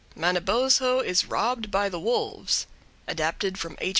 MANABOZHO IS ROBBED BY THE WOLVES Adapted from H.